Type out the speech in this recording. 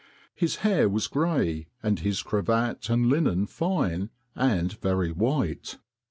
His hair was gray, and his cravat and linen fine, and very white."